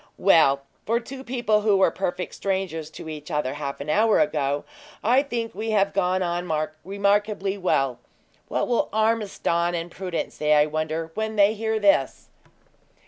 "Well, for two people who were perfect strangers to each other half an hour ago, I think we have gone on remarkably well. What will Mr. Ormiston and Prudence say, I wonder, when they hear this?"